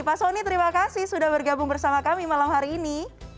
pak soni terima kasih sudah bergabung bersama kami malam hari ini